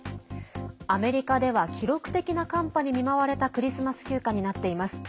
アメリカでは記録的な寒波に見舞われたクリスマス休暇になっています。